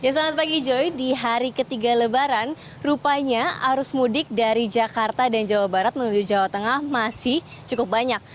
selamat pagi joy di hari ketiga lebaran rupanya arus mudik dari jakarta dan jawa barat menuju jawa tengah masih cukup banyak